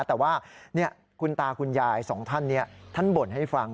แต่ว่าคุณตาคุณยายสองท่านนี้ท่านบ่นให้ฟัง